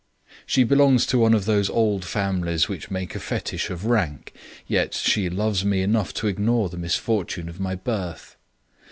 She belongs to one of those old families who make a fetich of rank, yet loves me enough to ignore the misfortune of my birth.